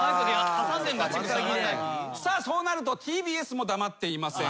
さあそうなるとＴＢＳも黙っていません。